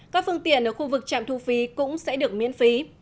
các phương tiện ở khu vực trạm thu phí cũng sẽ được miễn phí